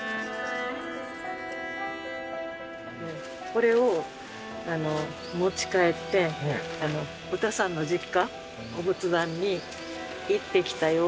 これを持ち帰ってウタさんの実家お仏壇に行ってきたよ